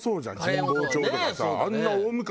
じゃあ。